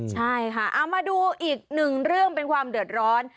ใช่ค่ะเอามาดูอีกหนึ่งเรื่องเป็นความเดือดร้อน